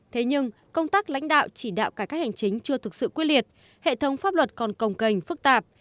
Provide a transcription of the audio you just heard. thế nhưng công tác lãnh đạo chỉ đạo cải cách hành chính chưa thực sự quyết liệt hệ thống pháp luật còn công cành phức tạp